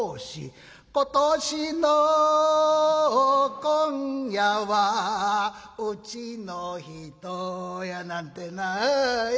今年の今夜はうちの人「やなんてなようようよう！